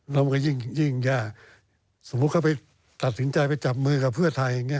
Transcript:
แล้วมันก็ยิ่งแย่สมมุติเขาไปตัดสินใจไปจับมือกับเพื่อไทยอย่างนี้